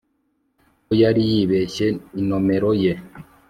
ko yari yibeshye inomero ye